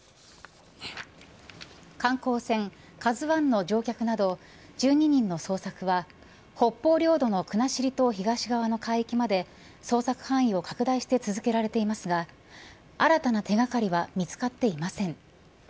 観光船、ＫＡＺＵ１の乗客など１２人の捜索は北方領土の国後島東側の海域まで捜索範囲を拡大して続けられていますが新たな手掛かりは見つかっていません。